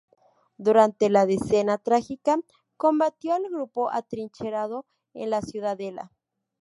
Durante la Decena Trágica combatió al grupo atrincherado en la Ciudadela.